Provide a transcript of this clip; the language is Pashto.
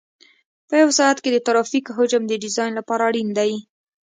په یو ساعت کې د ترافیک حجم د ډیزاین لپاره اړین دی